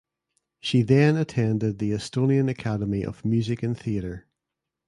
She then attended the Estonian Academy of Music and Theatre.